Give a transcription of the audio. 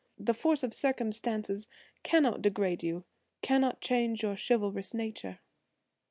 The force of circumstances cannot degrade you–cannot change your chivalrous nature."